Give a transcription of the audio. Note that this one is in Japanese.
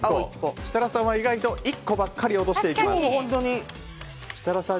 設楽さんは意外と１個ばかりを落としていきます。